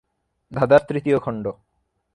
ধাঁধার তৃতীয় খণ্ড।